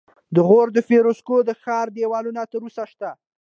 د غور د فیروزکوه د ښار دیوالونه تر اوسه شته